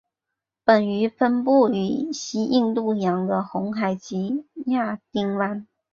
本鱼分布于西印度洋的红海及亚丁湾。